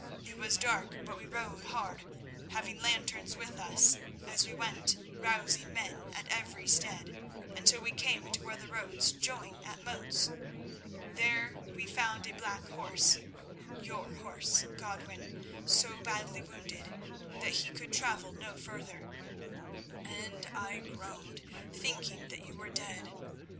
It was dark, but we rode hard, having lanterns with us, as we went rousing men at every stead, until we came to where the roads join at Moats. There we found a black horse—your horse, Godwin—so badly wounded that he could travel no further, and I groaned, thinking that you were dead.